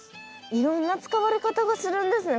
いろんな使われ方がするんですね